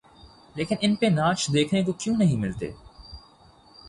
لیکن ان پہ ناچ دیکھنے کو کیوں نہیں ملتے؟